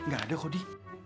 gak ada kodi